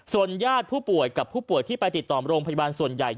ญาติผู้ป่วยกับผู้ป่วยที่ไปติดต่อโรงพยาบาลส่วนใหญ่